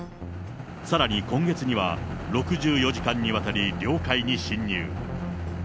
さらに今月には、６４時間にわたり領海に侵入。